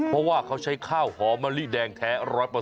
เพราะว่าเขาใช้ข้าวหอมมะลิแดงแท้๑๐๐